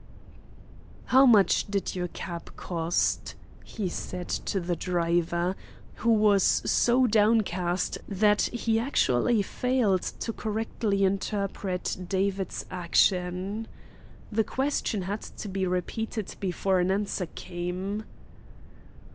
"How much did your cab cost?" he said to the driver, who was so downcast that he actually failed to correctly interpret David's action. The question had to be repeated before an answer came.